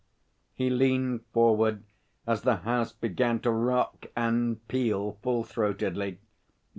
He leaned forward as the house began to rock and peal full throatedly.